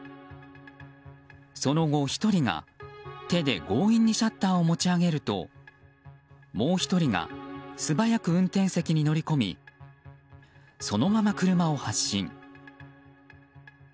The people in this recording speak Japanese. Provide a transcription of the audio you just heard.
その後１人が手で強引にシャッターを持ち上げるともう１人が素早く運転席に乗り込みそのまま車を発進。